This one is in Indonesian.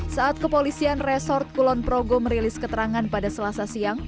saat kepolisian reskulon progo merilis keterangan pada selasa siang